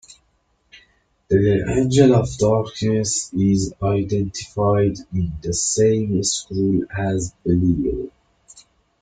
The Angel of Darkness is identified in the same scroll as Belial.